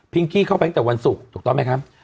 กี้เข้าไปตั้งแต่วันศุกร์ถูกต้องไหมครับ